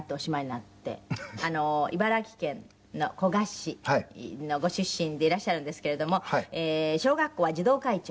茨城県の古河市のご出身でいらっしゃるんですけれども小学校は児童会長？